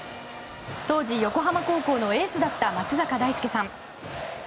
当時、横浜高校のエースだった松坂大輔さん。